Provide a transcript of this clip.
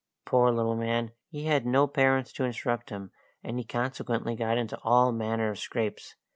Poor little man! he had no parents to instruct him, and he consequently got into all manner of scrapes.